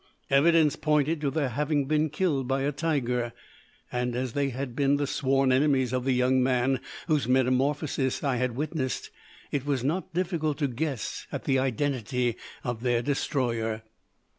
Evidence pointed to their having been killed by a tiger; and as they had been the sworn enemies of the young man whose metamorphosis I had witnessed, it was not difficult to guess at the identity of their destroyer.